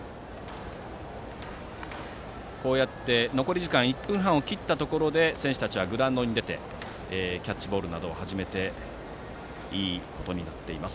残り時間１分半を切ったところで、選手たちはグラウンドに出てキャッチボールなどを始めてもいいことになっています。